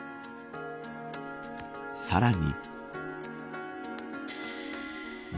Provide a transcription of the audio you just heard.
さらに。